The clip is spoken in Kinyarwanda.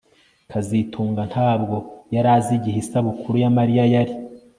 kazitunga ntabwo yari azi igihe isabukuru ya Mariya yari